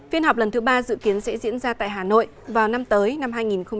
phiên họp lần thứ ba dự kiến sẽ diễn ra tại hà nội vào năm tới năm hai nghìn hai mươi